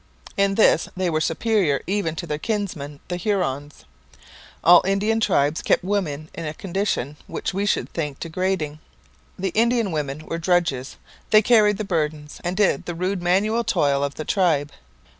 In this they were superior even to their kinsmen the Hurons. All Indian tribes kept women in a condition which we should think degrading. The Indian women were drudges; they carried the burdens, and did the rude manual toil of the tribe.